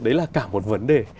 đấy là cả một vấn đề